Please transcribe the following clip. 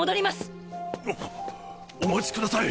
あっお待ちください！